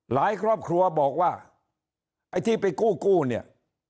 ครอบครัวบอกว่าไอ้ที่ไปกู้กู้เนี่ย